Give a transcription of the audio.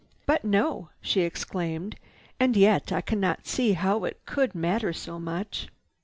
"But no!" she exclaimed. "And yet I cannot see how it could matter so much."